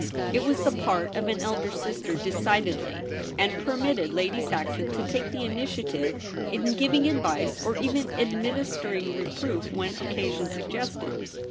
It was the part of an elder sister decidedly, and permitted Lady Saxon to take the initia tive in giving advice, or even administering reproof when occasion suggested.